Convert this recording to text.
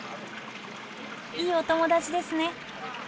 いいお友達ですね。